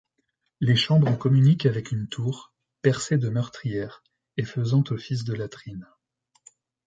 Les chambres communiquent avec une tour, percée de meurtrière, et faisant office de latrines.